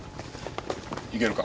行けるか？